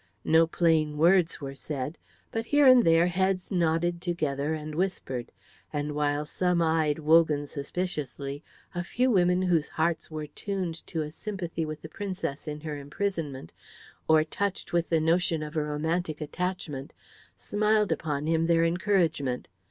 No plain words were said; but here and there heads nodded together and whispered, and while some eyed Wogan suspiciously, a few women whose hearts were tuned to a sympathy with the Princess in her imprisonment, or touched with the notion of a romantic attachment, smiled upon him their encouragement.